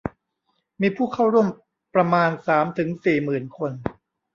มีผู้เข้าร่วมประมาณสามถึงสี่หมื่นคน